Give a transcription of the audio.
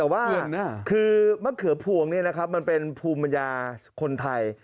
มะเขือผวงเนี่ยครับมันเป็นภูมิยาคนไทย